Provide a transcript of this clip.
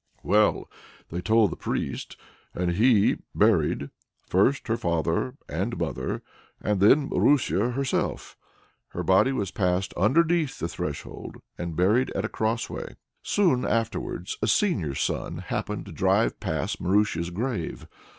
Well, they told the priest, and he buried, first her father and mother, and then Marusia herself. Her body was passed underneath the threshold and buried at a crossway. Soon afterwards a seigneur's son happened to drive past Marusia's grave.